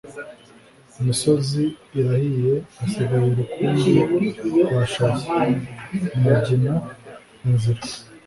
Imisozi irahiye hasigaye rukumbi rwa Shaza.Umugina - Inzira.